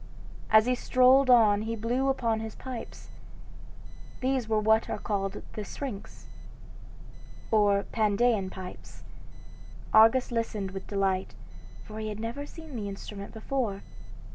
As he strolled on he blew upon his pipes. These were what are called the Syrinx or Pandean pipes. Argus listened with delight, for he had never seen the instrument before.